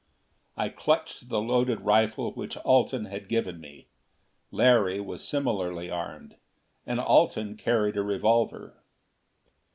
I clutched the loaded rifle which Alten had given me. Larry was similarly armed; and Alten carried a revolver.